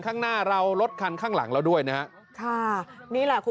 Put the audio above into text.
ข้างหน้าเรารถคันข้างหลังเราด้วยนะฮะค่ะนี่แหละคุณ